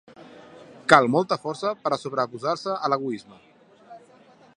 Cal molta força per a sobreposar-se a l'egoisme.